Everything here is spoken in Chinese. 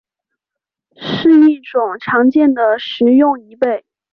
是一种常见的食用贻贝。